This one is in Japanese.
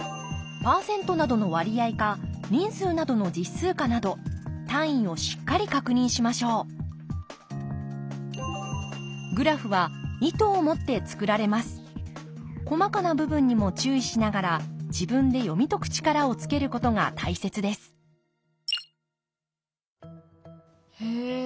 ％などの割合か人数などの実数かなど単位をしっかり確認しましょう細かな部分にも注意しながら自分で読み解く力をつけることが大切ですへえ。